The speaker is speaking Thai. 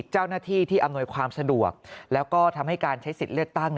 เจ้าหน้าที่ที่อำนวยความสะดวกแล้วก็ทำให้การใช้สิทธิ์เลือกตั้ง